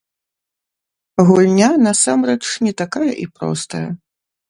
Гульня насамрэч не такая і простая.